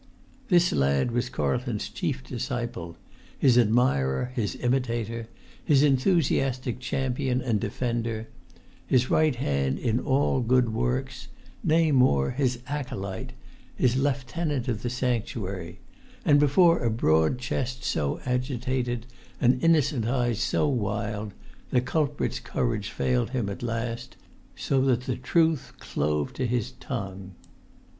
[Pg 32]This lad was Carlton's chief disciple, his admirer, his imitator, his enthusiastic champion and defender; his right hand in all good works; nay more, his acolyte, his lieutenant of the sanctuary; and, before a broad chest so agitated, and innocent eyes so wild, the culprit's courage failed him at last, so that the truth clove to his tongue.